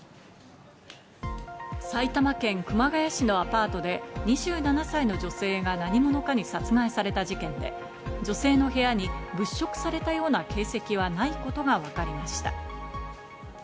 埼玉県熊谷市のアパートで２７歳の女性が何者かに殺害された事件で、女性の部屋に物色されたような形跡はないことがわかりました。